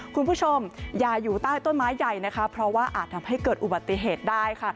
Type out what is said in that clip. คุณผู้ชมอย่าอยู่ใต้ต้นไม้ใหญ่นะคะเพราะว่าอาจทำให้เกิดอุบัติเหตุได้ค่ะ